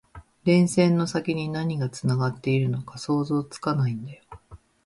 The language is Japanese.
電線の先に何がつながっているのか想像つかないんだよ